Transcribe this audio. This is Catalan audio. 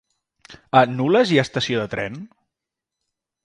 A Nules hi ha estació de tren?